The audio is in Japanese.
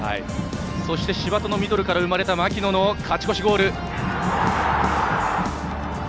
そして柴戸のミドルから生まれた槙野の勝ち越しゴール。